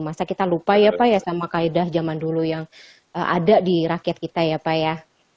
masa kita lupa ya pak ya sama kaedah zaman dulu yang ada di rakyat kita ya pak ya